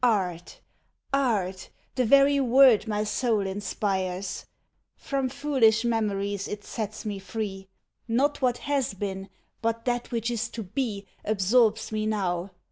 Art! art! the very word my soul inspires! From foolish memories it sets me free. Not what has been, but that which is to be Absorbs me now.